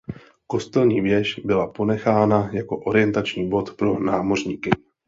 Kostelní věž byla ponechána jako orientační bod pro námořníky.